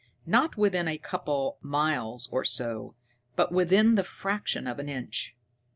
Not within a couple of miles or so, but within the fraction of an inch.